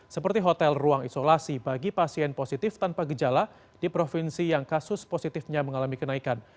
seperti hotel ruang isolasi bagi pasien positif tanpa gejala di provinsi yang kasus positifnya mengalami kenaikan